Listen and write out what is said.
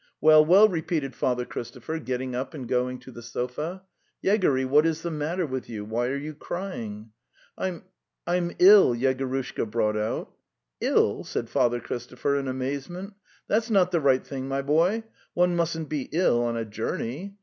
"Well, well!' repeated Father Christopher, get ting up and going to the sofa. '' Yegory, what is the matter with you? Why are you crying?" Pm...) moll, Yeeorushka brought out! "Tl?" said Father Christopher in amazement. 4 hats: not) the right thing, my boy.7: i" One mustn't be ill on a journey.